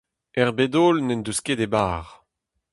Er bed-holl n'en deus ket e bar.